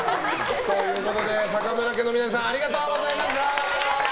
坂村家のみなさんありがとうございました！